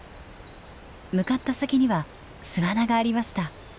向かった先には巣穴がありました。